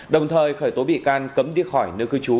đồng thời khởi tố bị can cấm đi khỏi nơi cư trú